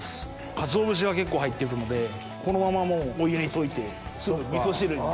かつお節が結構入ってるのでこのままお湯に溶いて味噌汁に。